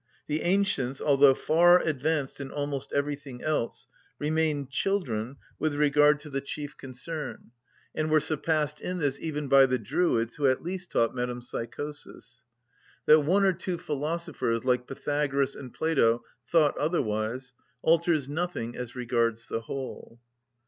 The ancients, although far advanced in almost everything else, remained children with regard to the chief concern, and were surpassed in this even by the Druids, who at least taught metempsychosis. That one or two philosophers, like Pythagoras and Plato, thought otherwise alters nothing as regards the whole.